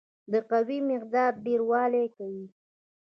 د قوې مقدار ډیروالی کوي.